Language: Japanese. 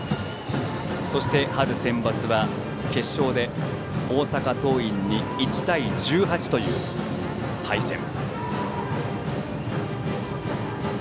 そして春センバツは決勝で大阪桐蔭に１対１８という敗戦。